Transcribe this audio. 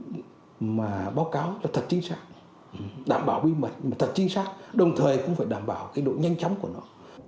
để báo cáo thật chính xác đảm bảo bí mật thật chính xác đồng thời cũng phải đảm bảo cái độ nhanh chóng của nó